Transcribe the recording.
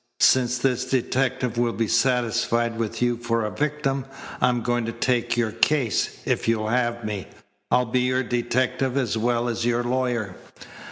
Since this detective will be satisfied with you for a victim, I'm going to take your case, if you'll have me. I'll be your detective as well as your lawyer."